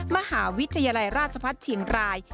มหาวิทยาลัยราชพัฒน์เชียงราย